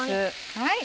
はい。